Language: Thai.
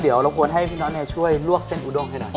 เดี๋ยวเราควรให้พี่น็อตช่วยลวกเส้นอุดงให้หน่อย